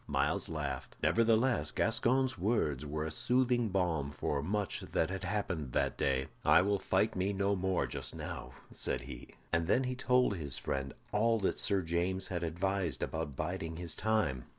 Myles laughed. Nevertheless Gascoyne's words were a soothing balm for much that had happened that day. "I will fight me no more just now," said he; and then he told his friend all that Sir James had advised about biding his time.